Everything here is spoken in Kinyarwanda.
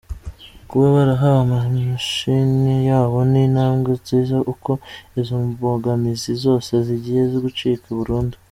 Kuba barahawe amamashini yabo ni intambwe nziza kuko izi mbogamizi zose zigiye gucika burundu.